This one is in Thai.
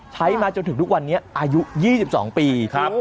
มาจนถึงทุกวันนี้อายุ๒๒ปีครับ